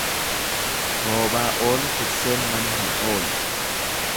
Roobaa oolu tikseen mana hin oolu.